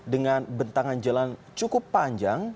dengan bentangan jalan cukup panjang